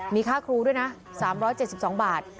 มีค่าครูด้วยนะ๓๗๒บาท